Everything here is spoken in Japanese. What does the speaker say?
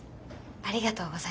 ありがとうございます。